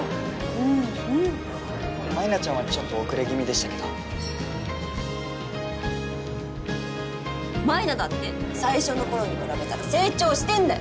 うんうん舞菜ちゃんはちょっと遅れ気味でしたけど舞菜だって最初の頃に比べたら成長してんだよ！